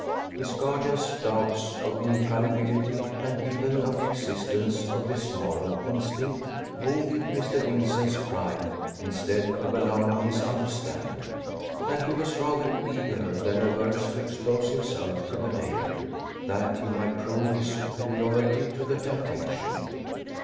His guardian's doubts of the infallibility and even of the existence of this moral instinct wounded Mr. Vincent's pride instead of alarming his understanding; and he was rather eager than averse to expose himself to the danger, that he might prove his superiority to the temptation.